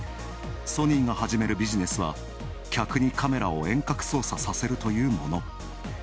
ソニーが始めるビジネスは、客にカメラを遠隔操作させるというもの。